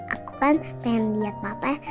aku kan pengen lihat papa